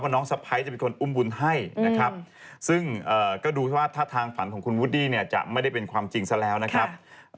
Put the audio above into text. ว่าน้องสะไพ้จะเป็นคนอุ้มวุลให้ซึ่งก็ดูคือว่าถ้าทางฝันของคุณหุดดี้จะไม่ได้เป็นความจริงซะแล้วนะครับ